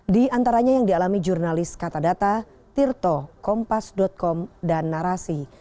di antaranya yang dialami jurnalis kata data tirto kompas com dan narasi